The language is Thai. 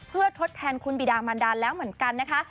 เพื่อทดแทนคุณบิดามันดาแล้วเหมือนกันนะคะ